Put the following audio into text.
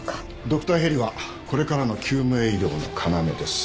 ドクターヘリはこれからの救命医療の要です。